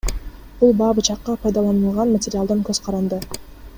Бул баа бычакка пайдаланылган материалдан көз каранды.